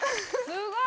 すごい！